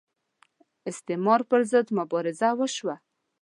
استعمار پر ضد مبارزه وشوه